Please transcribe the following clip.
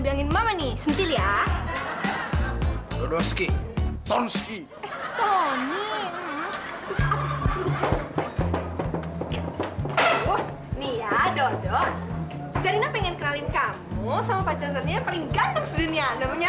nih ya dodo pengen kenalin kamu sama pacarnya paling ganteng dunia namanya